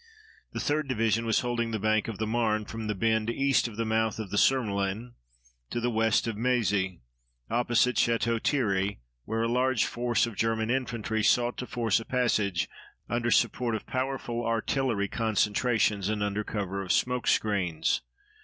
The 3d Division was holding the bank of the Marne from the bend east of the mouth of the Surmelin to the west of Mézy, opposite Château Thierry, where a large force of German infantry sought to force a passage under support of powerful artillery concentrations and under cover of smoke screens.